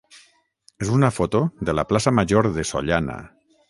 és una foto de la plaça major de Sollana.